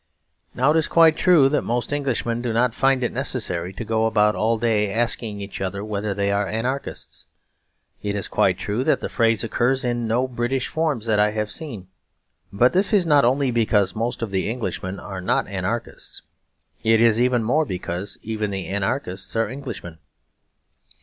Now it is quite true that most Englishmen do not find it necessary to go about all day asking each other whether they are anarchists. It is quite true that the phrase occurs on no British forms that I have seen. But this is not only because most of the Englishmen are not anarchists. It is even more because even the anarchists are Englishmen.